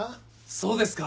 そうですか！